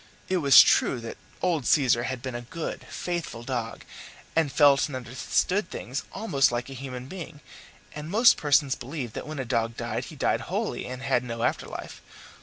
It was true that old Caesar had been a good, faithful dog, and felt and understood things almost like a human being, and most persons believed that when a dog died he died wholly and had no after life.